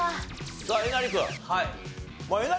さあえなり君。